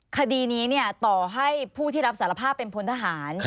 คดีนี้ต่อให้ผู้ที่รับสารภาพเป็นพลทหาร